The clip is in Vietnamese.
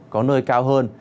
có nơi cao hơn